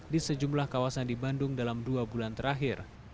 di sejumlah kawasan di bandung dalam dua bulan terakhir